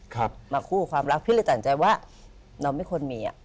ครับมาคู่กับความรักพี่เลยสั่งใจว่าเราไม่ควรมีอะ